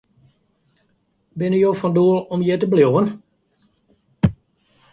Binne jo fan doel om hjir te bliuwen?